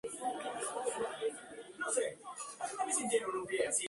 Al ser día nacional y festivo, los trabajadores y estudiantes tienen el día libre.